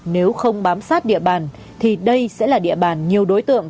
nếu không bám sát địa bàn thì đây sẽ là địa bàn nhiều đối tượng